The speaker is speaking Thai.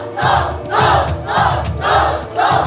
สู้